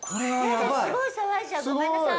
すごい騒いじゃうごめんなさい。